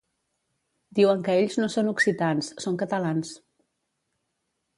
Diuen que ells no són occitans, són catalans.